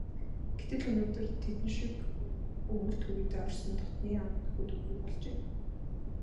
Гэтэл өнөөдөр тэдэн шиг өвөр түрийдээ орсон дотнын анд нөхөд үгүй болжээ.